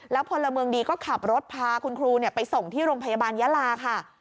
พลเมืองดีก็ขับรถพาคุณครูไปส่งที่โรงพยาบาลยาลาค่ะ